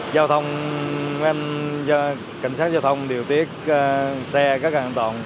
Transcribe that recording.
giao thông cảnh sát giao thông điều tiết xe rất an toàn